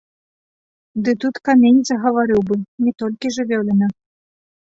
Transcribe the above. Ды тут камень загаварыў бы, не толькі жывёліна!